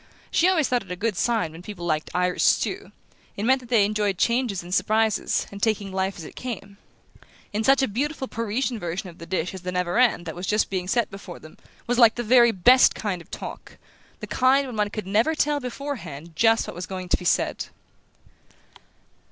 She always thought it a good sign when people liked Irish stew; it meant that they enjoyed changes and surprises, and taking life as it came; and such a beautiful Parisian version of the dish as the navarin that was just being set before them was like the very best kind of talk the kind when one could never tell before hand just what was going to be said!